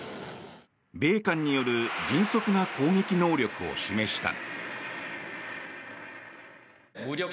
米韓による迅速な攻撃能力を示した。